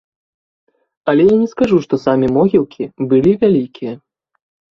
Але я не скажу што самі могілкі былі вялікія.